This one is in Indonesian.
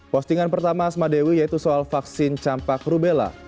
postingan pertama asma dewi yaitu soal vaksin champa cruella